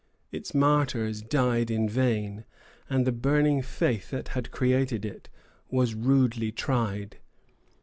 Its martyrs died in vain, and the burning faith that had created it was rudely tried.